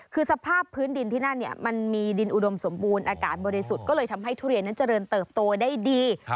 คือสภาพพื้นดินที่นั่นเนี่ยมันมีดินอุดมสมบูรณ์อากาศบริสุทธิ์ก็เลยทำให้ทุเรียนนั้นเจริญเติบโตได้ดี